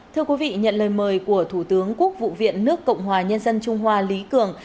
thưa quý vị nhận lời mời của thủ tướng quốc vụ viện nước cộng hòa nhân dân trung hoa lý cường